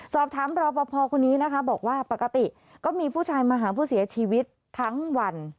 สอบถามรอปภคนนี้นะคะบอกว่าปกติก็มีผู้ชายมาหาผู้เสียชีวิตทั้งวัน